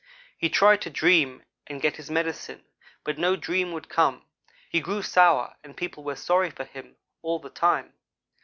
He tried to dream and get his medicine but no dream would come. He grew sour and people were sorry for him all the time.